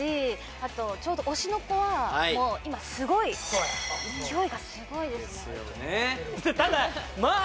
あとちょうど「推しの子」はもう今すごい勢いがすごいですただまあ